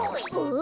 ん？